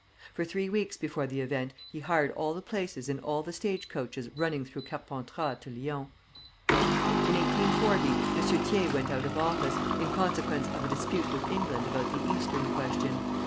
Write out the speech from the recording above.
For three weeks before the event he hired all the places in all the stage coaches running through Carpentras to Lyons. In 1840 M. Thiers went out of office, in consequence of a dispute with England about the Eastern Question.